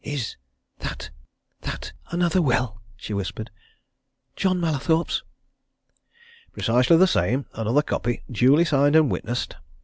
"Is that that another will?" she whispered. "John Mallathorpe's?" "Precisely the same another copy duly signed and witnessed!"